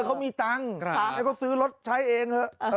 เขามีตังค์ให้เขาซื้อรถใช้เองเถอะ